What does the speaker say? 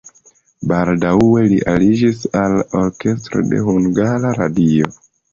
Baldaŭe li aliĝis al orkestro de Hungara Radio.